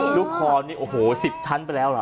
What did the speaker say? ลูกคอนี่โอ้โห๑๐ชั้นไปแล้วล่ะ